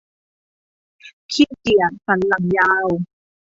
ขี้เกียจสันหลังยาว